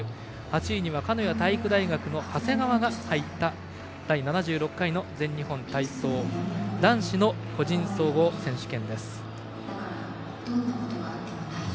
８位には鹿屋体育大学の長谷川が入った第７６回全日本体操男子の個人総合選手権です。